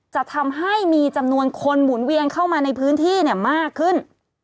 จะทำให้มีจำนวนคนหมุนเวียนเข้ามาในพื้นที่มากขึ้น